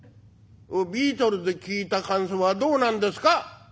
ビートルズ聴いた感想はどうなんですか？」。